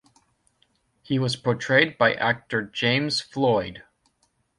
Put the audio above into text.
He was portrayed by actor James Floyd.